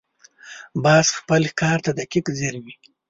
باز خپل ښکار ته دقیق ځیر وي